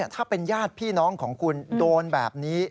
ถ้าเป็นญาติพี่น้องของคุณโดนแบบนี้